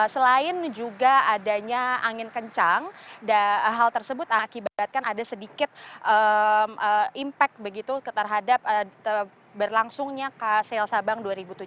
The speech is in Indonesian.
selain juga adanya angin kencang hal tersebut akibatkan ada sedikit impact begitu terhadap berlangsungnya sel sabang dua ribu tujuh belas